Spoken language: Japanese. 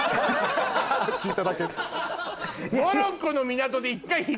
・聞いただけ・一回。